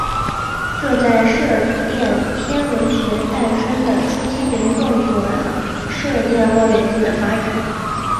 这在射电天文学诞生的初期严重阻碍了射电望远镜的发展。